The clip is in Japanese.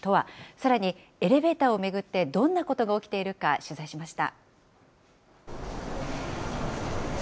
さらにエレベーターを巡ってどんなことが起きているか取材しました。